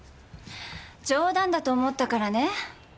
冗談だと思ったからね。